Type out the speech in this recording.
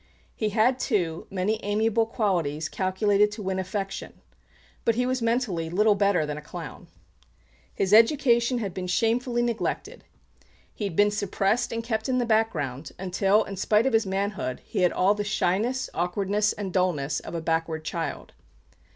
He had, too, many amiable qualities calculated to win affection; but he was mentally little better than a clown. His education had been shamefully neglected; he had been suppressed and kept in the background until, in spite of his manhood, he had all the shyness, awkwardness and dullness of a backward child.